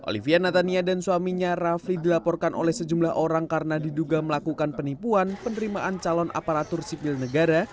olivia natania dan suaminya rafli dilaporkan oleh sejumlah orang karena diduga melakukan penipuan penerimaan calon aparatur sipil negara